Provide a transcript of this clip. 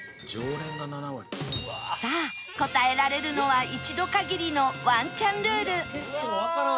さあ答えられるのは一度限りのワンチャンルールわあ！